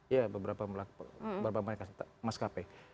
ya beberapa mas kp